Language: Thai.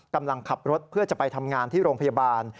กำลังขับรถเพื่อจะไปทำงานที่โรงพยาบาล